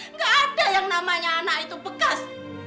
nggak ada yang namanya anak itu bekas